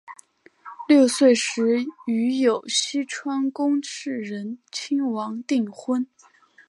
六岁时与有栖川宫炽仁亲王订婚。